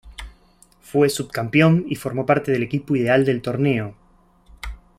Fue subcampeón y formó parte del equipo ideal del torneo.